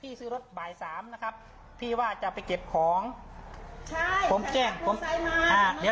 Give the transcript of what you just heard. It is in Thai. พี่ซื้อรถบ่ายสามนะครับพี่ว่าจะไปเก็บของใช่ผมแจ้ง